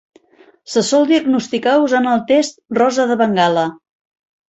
Se sol diagnosticar usant el Test Rosa de Bengala.